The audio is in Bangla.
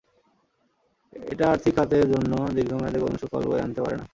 এটা আর্থিক খাতের জন্য দীর্ঘ মেয়াদে কোনো সুফল বয়ে আনতে পারে না।